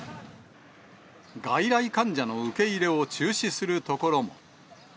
外来患者の受け入れを中止する所も。